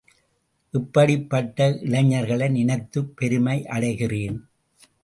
இப்படிப்பட்ட இளைஞர்களை நினைத்துப் பெருமை அடைகிறேன்.